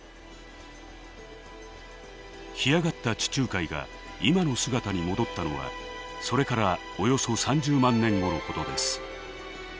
干上がった地中海が今の姿に戻ったのはそれからおよそ３０万年後のことです。